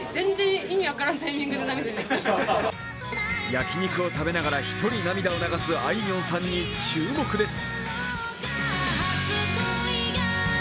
焼き肉を食べながら一人涙を流すあいみょんさんに注目です。